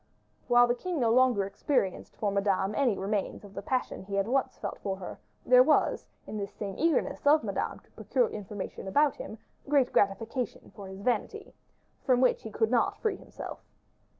While the king no longer experienced for Madame any remains of the passion he had once felt for her, there was, in this same eagerness of Madame to procure information about him, great gratification for his vanity, from which he could not free himself.